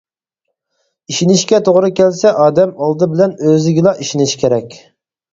-ئىشىنىشكە توغرا كەلسە ئادەم ئالدى بىلەن ئۆزىگىلا ئىشىنىشى كېرەك.